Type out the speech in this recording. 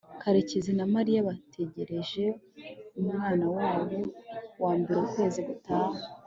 karekezi na mariya bategereje umwana wabo wambere ukwezi gutaha